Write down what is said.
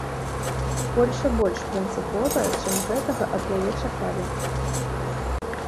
Польшча больш прынцыповая, чым гэтага ад яе чакалі.